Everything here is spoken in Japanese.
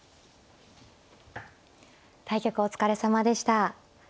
対局お疲れさまでした。